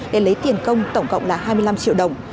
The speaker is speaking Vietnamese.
để lấy tiền công tổng cộng là hai mươi năm triệu đồng